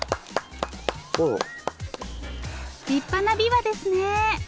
立派なびわですね！